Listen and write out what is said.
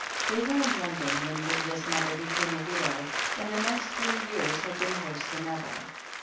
They were in London when Lydia's mother became THE HEEL OF ACHILLES 27 a widow and the next three years had been worse than ever.